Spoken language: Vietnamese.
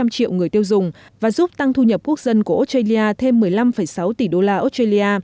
năm triệu người tiêu dùng và giúp tăng thu nhập quốc dân của australia thêm một mươi năm sáu tỷ đô la australia